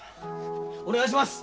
お願いします。